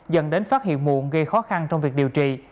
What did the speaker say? dẫn đến phát hiện muộn gây khó khăn trong việc điều trị